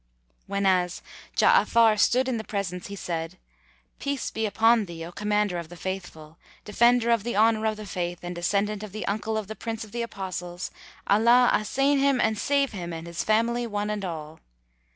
Whenas Ja'afar stood in the presence, he said, "Peace be upon thee, O Commander of the Faithful, Defender of the honour of the Faith and descendant of the uncle of the Prince of the Apostles, Allah assain him and save him and his family one and all!"